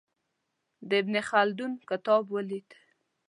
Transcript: د ابن خلدون کتاب ولید.